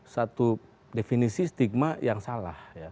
satu definisi stigma yang salah